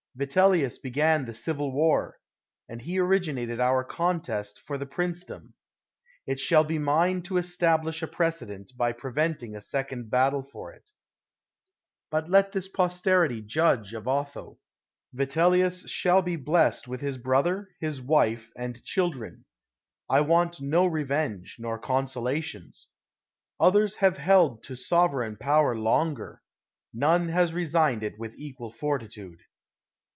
Vitellius began the Civil War; and he origi nated our contest for the princedom. It shall be mine to establish a precedent, by preventing a second battle for it. By this let posterity judge of Otho. Vitellius shall be blessed with his brother, his wife, and children. I want no revenge, nor consolations. Others have held the sovereign power longer; 251 THE WORLD'S FAMOUS ORATIONS none has resigned it with equal fortitude.